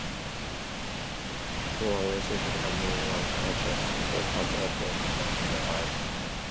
More recently a Muslim cultural center has opened on the island.